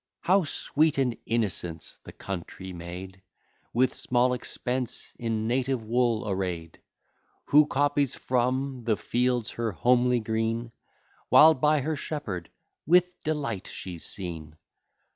How sweet and innocent's the country maid, With small expense in native wool array'd; Who copies from the fields her homely green, While by her shepherd with delight she's seen!